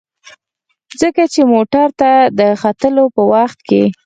ځکه چې موټر ته د ختلو په وخت کې.